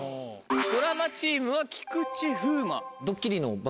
ドラマチームは菊池風磨。